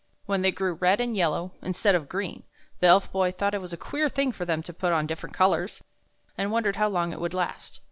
When they grew red and yellow, instead of green, the Elf Boy thought it was a queer thing for them to put on different colors, and wondered how long it would last.